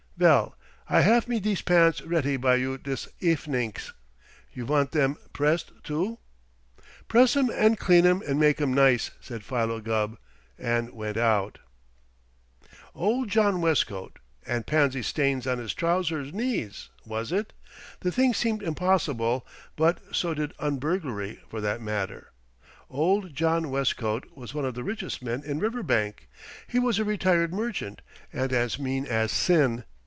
Vell, I have me dese pants retty by you dis efenings. You vant dem pressed too?" "Press 'em, an' clean 'em, an' make 'em nice," said Philo Gubb, and went out. [Illustration: UNDER HIS ARM HE CARRIED A SMALL BUNDLE] Old John Westcote, and pansy stains on his trouser knees, was it? The thing seemed impossible, but so did un burglary, for that matter. Old John Westcote was one of the richest men in Riverbank. He was a retired merchant and as mean as sin.